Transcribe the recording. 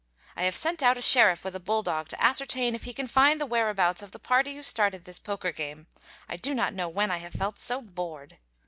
I have sent out a sheriff with a bulldog to ascertain if he can find the whereabouts of the party who started this poker game, I do not know when I have felt so bored.